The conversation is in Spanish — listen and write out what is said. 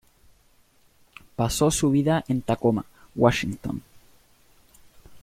Pasó su vida en Tacoma, Washington.